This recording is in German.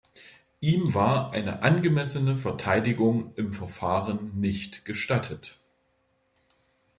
Ihm war eine angemessene Verteidigung im Verfahren nicht gestattet.